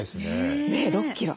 ねえ６キロ！